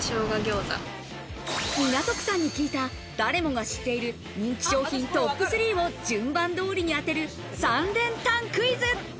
港区さんに聞いた誰もが知っている人気商品トップ３を順番通りに当てる３連単クイズ。